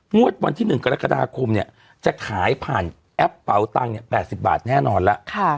วันที่๑กรกฎาคมเนี่ยจะขายผ่านแอปเป๋าตังค์๘๐บาทแน่นอนแล้ว